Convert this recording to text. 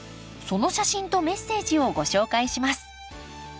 その写真とメッセージをご紹介します